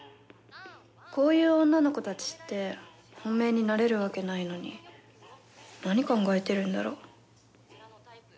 こういう女の子たちって本命になれるわけないのになに考えてるんだろう。